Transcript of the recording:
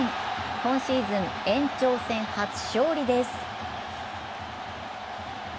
今シーズン延長戦初勝利です。